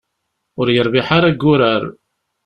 Ur yerbiḥ ara deg wurar.